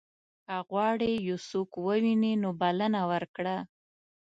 که غواړې یو څوک ووینې نو بلنه ورکړه.